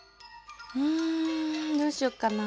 うんどうしよっかな。